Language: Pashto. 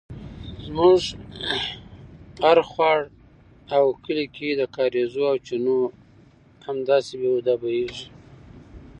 زموږ هر خوړ او کلي کې د کاریزو او چینو همداسې بې هوده بیهږي